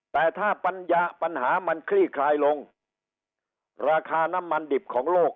แต่ถ้าปัญหามันคลี่คลายลงราคาน้ำมันดิบของโลก